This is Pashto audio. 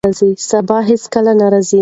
سبا هیڅکله نه راځي.